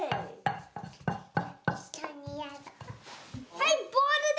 はいボールだ！